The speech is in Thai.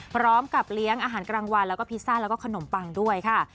พร้อมกับเลี้ยงอาหารกลางวันแล้วก็พิซซ่าแล้วก็ขนมปังด้วยค่ะ